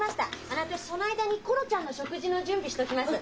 私その間にコロちゃんの食事の準備しときます。